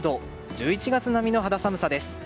１１月並みの肌寒さです。